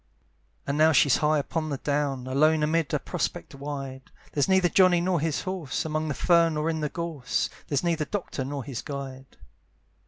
And now she's high upon the down, Alone amid a prospect wide; There's neither Johnny nor his horse, Among the fern or in the gorse; There's neither doctor nor his guide.